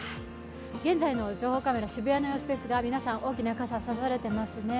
現在の情報カメラ、渋谷の様子ですが皆さん、大きな傘を差されていますね。